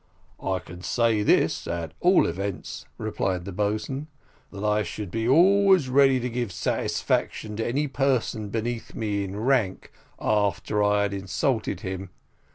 "I can say this, at all events," replied the boatswain, "that I should be always ready to give satisfaction to any person beneath me in rank, after I had insulted him.